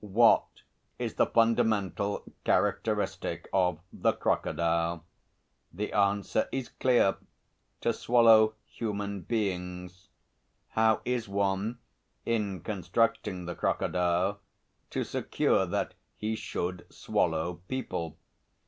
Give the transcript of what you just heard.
What is the fundamental characteristic of the crocodile? The answer is clear: to swallow human beings. How is one, in constructing the crocodile, to secure that he should swallow people?